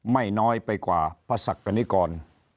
ไม่น้อยไปกว่าพระศักดิกร